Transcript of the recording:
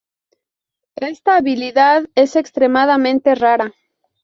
Esta habilidad es extremadamente rara.